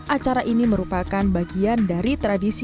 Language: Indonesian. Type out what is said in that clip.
acara ini merupakan bagian dari tradisi